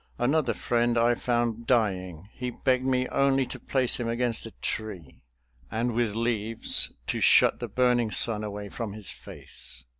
Another friend I found dying. He begged me only to place him against a tree, and with leaves to shut the burning sun away from his face.